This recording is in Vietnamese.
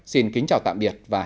xin kính chào tạm biệt và hẹn gặp lại